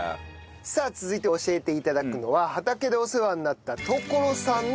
さあ続いて教えて頂くのは畑でお世話になった野老さんの奥様です。